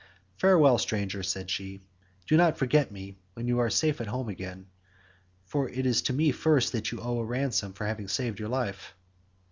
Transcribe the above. "Farewell stranger," said she, "do not forget me when you are safe at home again, for it is to me first that you owe a ransom for having saved your life."